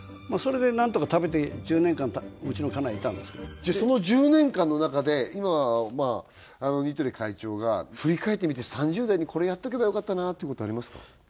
それでなんとか食べて１０年間うちの家内いたんですけどじゃあその１０年間の中で今似鳥会長が振り返ってみて３０代にこれやっとけばよかったなってことありますか？